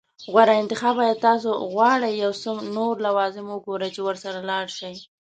غوره انتخاب. ایا تاسو غواړئ یو څه نور لوازم وګورئ چې ورسره لاړ شئ؟